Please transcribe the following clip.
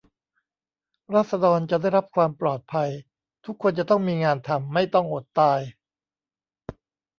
ราษฎรจะได้รับความปลอดภัย ทุกคนจะต้องมีงานทำไม่ต้องอดตาย